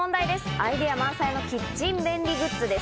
アイデア満載のキッチン便利グッズです。